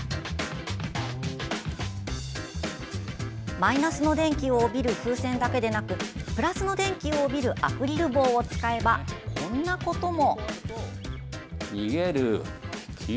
マイナスの電気を帯びる風船だけでなくプラスの電気を帯びるアクリル棒を使えばこんなことも。